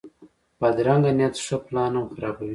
بدرنګه نیت ښه پلان هم خرابوي